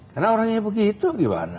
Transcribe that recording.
karena orangnya begitu gimana